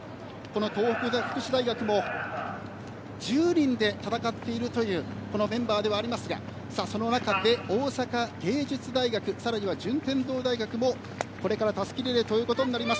東北福祉大学も１０人で戦っているというメンバーではありますがその中で大阪芸術大学さらには順天堂大学もこれからたすきリレーとなります。